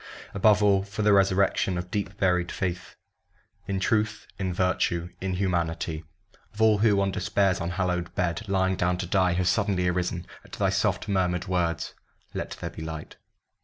above all, For the resurrection of deep buried faith In Truth in Virtue in Humanity Of all who, on Despair's unhallowed bed Lying down to die, have suddenly arisen At thy soft murmured words, "Let there be light!"